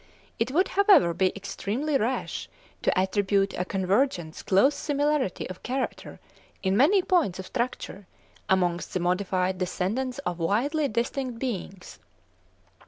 It would, however, be extremely rash to attribute to convergence close similarity of character in many points of structure amongst the modified descendants of widely distinct beings.